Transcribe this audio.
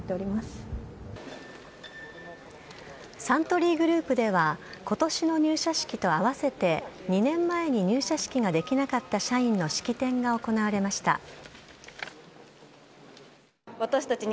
サントリーグループでは今年の入社式とあわせて２年前に入社式ができなかった社員の式典が行われました。